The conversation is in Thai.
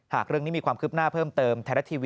หากเรื่องนี้มีความคลิบหน้าเพิ่มเติม